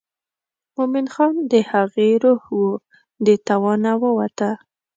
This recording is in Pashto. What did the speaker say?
مومن خان د هغې روح و د توانه ووته.